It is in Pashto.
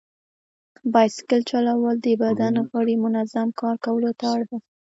بایسکل چلول د بدن غړي منظم کار کولو ته اړ باسي.